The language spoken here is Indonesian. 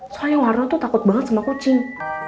soalnya warna tuh takut banget sama kucing